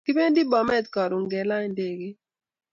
Kipendi bomet karun kelan ndegeit .